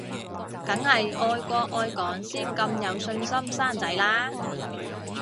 梗係愛國愛港先咁有信心生仔啦